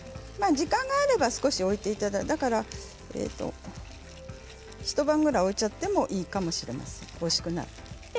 時間があれば少し置いていただいて一晩ぐらい置いちゃってもいいかもしれません。